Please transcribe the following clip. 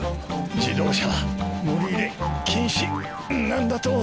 自動車は乗り入れ禁止なんだと。